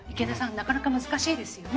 なかなか難しいですよね。